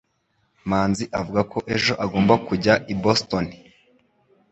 Manzi avuga ko ejo agomba kujya i Boston.